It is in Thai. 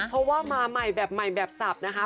เพราะว่ามาใหม่แบบใหม่แบบสับนะคะ